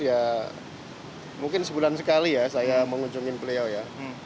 ya mungkin sebulan sekali ya saya mengunjungi beliau ya